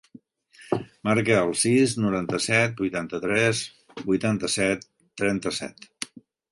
Marca el sis, noranta-set, vuitanta-tres, vuitanta-set, trenta-set.